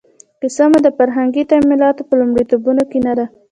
کیسه مو د فرهنګي تمایلاتو په لومړیتوبونو کې نه ده.